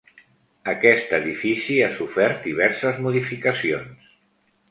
Aquest edifici ha sofert diverses modificacions.